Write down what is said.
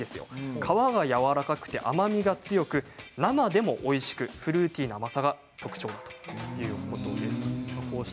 皮がやわらかくて甘みが強く、生でもおいしいフルーティーな甘さが特徴ということです。